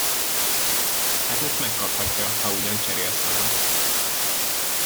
Hát most megkaphatja, ha ugyan cserélsz velem!